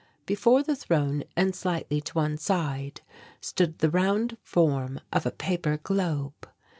Before the throne and slightly to one side stood the round form of a paper globe.